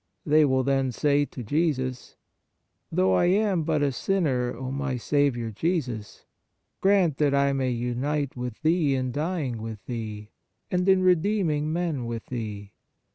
They will then say to Jesus :" Though I am but a sinner, O my Saviour Jesus, grant that I may unite with Thee in dying with Thee, and in redeeming men with Thee.